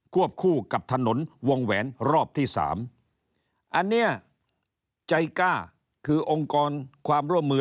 วบคู่กับถนนวงแหวนรอบที่สามอันเนี้ยใจกล้าคือองค์กรความร่วมมือ